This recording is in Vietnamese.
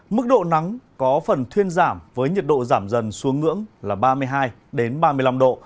mức độ nắng có phần thuyên giảm với nhiệt độ giảm dần xuống ngưỡng là ba mươi hai ba mươi năm độ